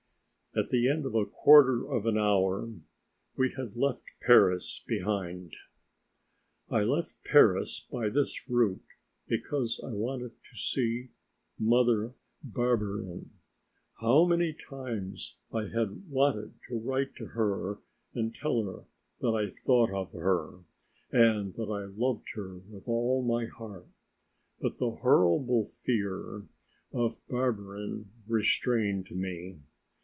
At the end of a quarter of an hour, we had left Paris behind. I left Paris by this route because I wanted to see Mother Barberin. How many times I had wanted to write to her and tell her that I thought of her, and that I loved her with all my heart, but the horrible fear of Barberin restrained me.